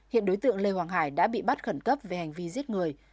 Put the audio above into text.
hiện đối tượng lê hoàng hải đã bị bắt khẩn cấp về hành vi giết người